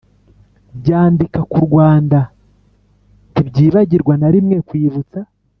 byandika ku rwanda ntibyibagirwa na rimwe kwibutsa